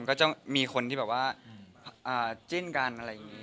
ก็จะมีคนที่แบบว่าจิ้นกันอะไรอย่างนี้